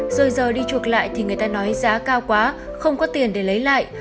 rồi giờ đi chuộc lại thì người ta nói giá cao quá không có tiền để lấy lại